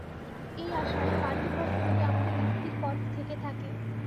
এই আশায়, মাল্টিভার্সে যদি আমাদের মুক্তির পথ থেকে থাকে।